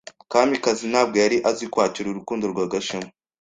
Kamikazi ntabwo yari azi kwakira urukundo rwa Gashema.